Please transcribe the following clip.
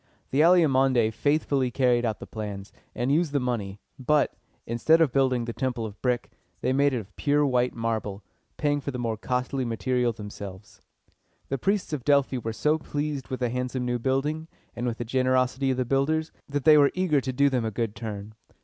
The Alcmæonidæ faithfully carried out the plans, and used the money; but, instead of building the temple of brick, they made it of pure white marble, paying for the more costly material themselves. The priests of Delphi were so pleased with the handsome new building, and with the generosity of the builders, that they were eager to do them a good turn.